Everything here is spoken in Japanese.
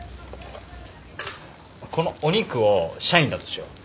このお肉を社員だとしよう。